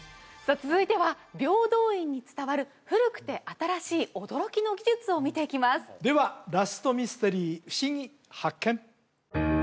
続いては平等院に伝わる古くて新しい驚きの技術を見ていきますではラストミステリーふしぎ発見！